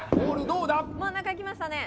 どうだ真ん中いきましたね